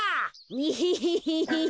エヘヘヘヘ。